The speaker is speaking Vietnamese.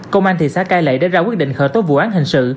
công an thị xã cai lệ đã ra quyết định khởi tố vụ án hình sự